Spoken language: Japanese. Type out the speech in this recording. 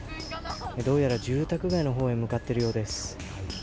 どうやら住宅街の方へ向かっているようです。